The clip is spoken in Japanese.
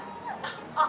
あっ。